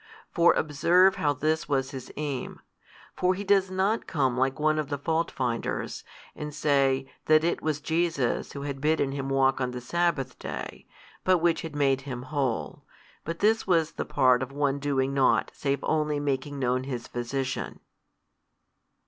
For observe how this was his aim. For he does not come like one of the faultfinders, and say that it was Jesus Who had bidden him walk on the Sabbath day, but Which had made him whole. But this was the part of one doing nought save only making known his Physician.